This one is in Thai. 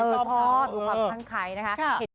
เขาชอบดูความพังไขนะคะ